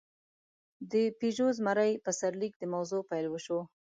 د «پيژو زمری» په سرلیک د موضوع پېل وشو.